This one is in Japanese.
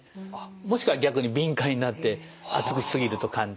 もしくは逆に敏感になって熱くし過ぎると感じたり